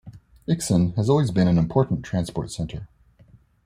Iksan has always been an important transport center.